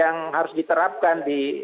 yang harus diterapkan di